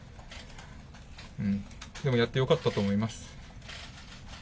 でも、やってよかったと思います。